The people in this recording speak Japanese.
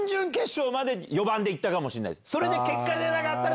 それで結果出なかったら。